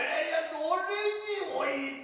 どれにおいた。